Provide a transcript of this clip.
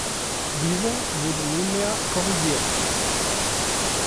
Dieser wurde nunmehr korrigiert.